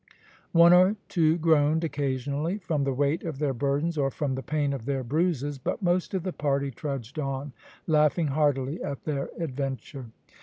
One or two groaned, occasionally, from the weight of their burdens or from the pain of their bruises, but most of the party trudged on, laughing heartily at their adventure.